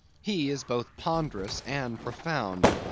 He is both ponderous and profound.